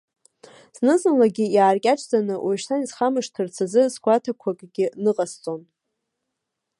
Зны-зынлагьы иааркьаҿӡаны, уашьҭан исхамышҭырц азы згәаҭақәакгьы ныҟасҵон.